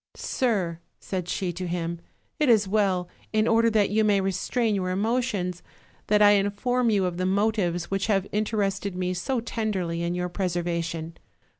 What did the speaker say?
"Sir," said she to him, "it is well, in order that you may restrain your emo tions, that I inform you of the motives which have inter ested me so tenderly in your preservation.